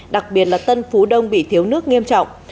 đặc biệt là tân phú đông bị thiếu nước nghiêm trọng